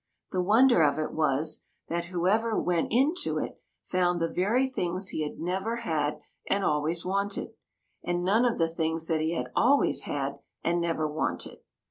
The wonder of it was, that whoever went into it found the very things he had never had and always wanted, and none of the things that he had always had and never wanted.